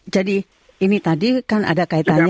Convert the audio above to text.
jadi ini tadi kan ada kaitannya